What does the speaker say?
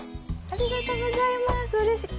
ありがとうございますうれしい。